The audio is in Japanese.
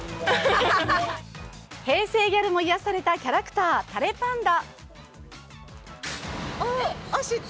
平成ギャルも癒やされたキャラクター、たれぱんだ。